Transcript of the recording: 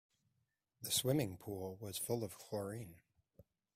The swimming pool was full of chlorine.